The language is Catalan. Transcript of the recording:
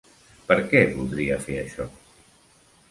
Per què voldria fer això?